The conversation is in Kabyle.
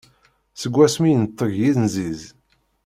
Seg wasmi yenteg yinziz.